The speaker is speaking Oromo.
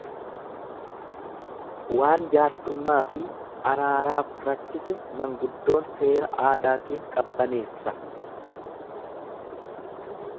Waan jaarsummaafi, araaraaf rakkise manguddoon seera aadaatiin qabbaneessa.